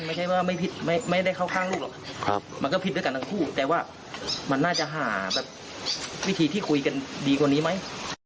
ไม่ใช่ว่าไม่ได้เข้าข้างลูกหรอกมันก็ผิดด้วยกันทั้งคู่แต่ว่ามันน่าจะหาแบบวิธีที่คุยกันดีกว่านี้ไหม